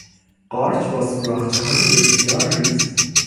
قارچ با سوراخچههای بسیار ریز